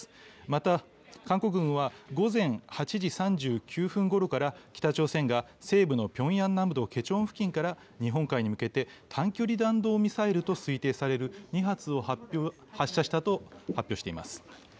また、韓国軍は午前８時３９分ごろから、北朝鮮が西部のピョンアン南道ケチョン付近から日本海に向けて、短距離弾道ミサイルと推定される２発を発射したと発表しています。